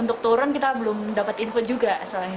untuk turun kita belum dapat info juga